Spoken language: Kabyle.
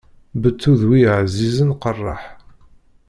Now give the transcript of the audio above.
Beṭṭu d wi ɛzizen qeṛṛeḥ.